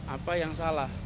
apa yang salah